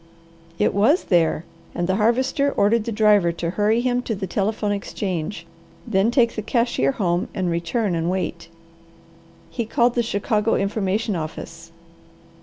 It was there, and the Harvester ordered the driver to hurry him to the telephone exchange, then take the cashier home and return and wait. He called the Chicago Information office.